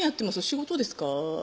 仕事ですか？」